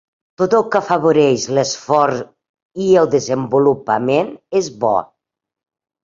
Tot el que afavoreix l'esforç i el desenvolupament és bo.